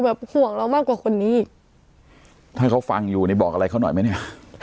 ห่วงเรามากกว่าคนนี้ถ้าเขาฟังอยู่นี่บอกอะไรเขาหน่อยไหมเนี่ย